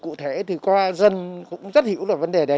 cụ thể thì qua dân cũng rất hiểu là vấn đề đấy